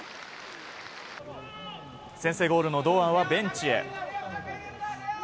先制ゴールの堂安はベンチへ。